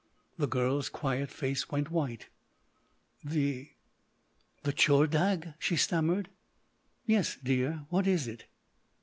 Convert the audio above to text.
The girl's quiet face went white. "The—the Tchordagh!" she stammered. "Yes, dear. What is it?"